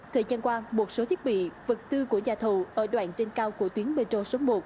thời gian qua một số thiết bị vật tư của nhà thầu ở đoạn trên cao của tuyến metro số một